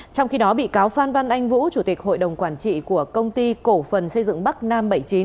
trong khi đó bị cáo phan văn anh vũ chủ tịch hội đồng quản trị của công ty cổ phần xây dựng bắc nam bảy mươi chín